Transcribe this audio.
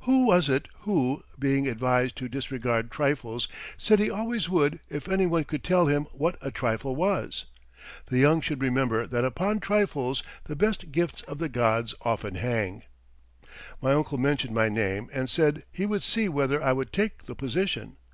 Who was it who, being advised to disregard trifles, said he always would if any one could tell him what a trifle was? The young should remember that upon trifles the best gifts of the gods often hang. My uncle mentioned my name, and said he would see whether I would take the position.